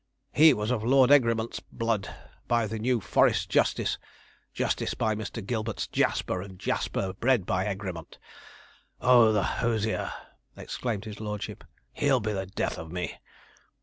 He was of Lord Egremont's blood, by the New Forest Justice; Justice by Mr. Gilbert's Jasper; and Jasper bred by Egremont " Oh, the hosier!' exclaimed his lordship; 'he'll be the death of me.'